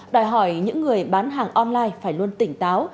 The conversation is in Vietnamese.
đòi hỏi những người bán hàng online phải luôn tỉnh táo